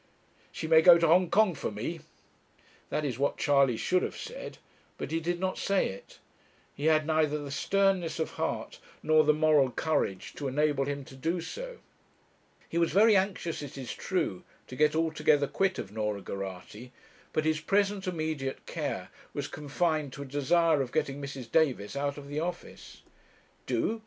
'She may go to Hong Kong for me.' That is what Charley should have said. But he did not say it. He had neither the sternness of heart nor the moral courage to enable him to do so. He was very anxious, it is true, to get altogether quit of Norah Geraghty; but his present immediate care was confined to a desire of getting Mrs. Davis out of the office. 'Do!'